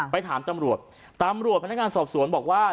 ไปถามตำรวจตำรวจพนักงานสอบสวนบอกว่า